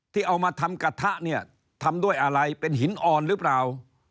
ที่เอามาทำกระทะเนี่ยทำด้วยอะไรเป็นหินอ่อนหรือเปล่า